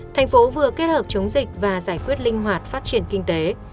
tp hcm vừa kết hợp chống dịch và giải quyết linh hoạt phát triển kinh tế